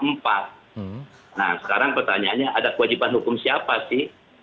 nah sekarang pertanyaannya ada kewajiban hukum siapa sih